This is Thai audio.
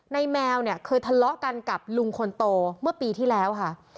แมวเนี่ยเคยทะเลาะกันกับลุงคนโตเมื่อปีที่แล้วค่ะ